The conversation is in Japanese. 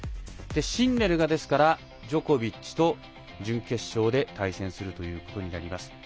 シンネルがジョコビッチと準決勝で対戦することになります。